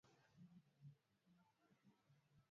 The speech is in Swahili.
juli nur bavu ametuandalia taarifa kamili